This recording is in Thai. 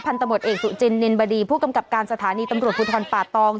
พันตะหมดเอกสุจินนินบดีผู้กำกับการสถานีตำรวจพุทธรปะตอง